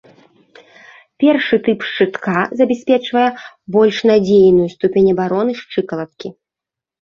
Першы тып шчытка забяспечвае больш надзейную ступень абароны шчыкалаткі.